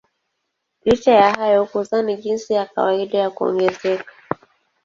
Licha ya hayo kuzaa ni jinsi ya kawaida ya kuongezeka.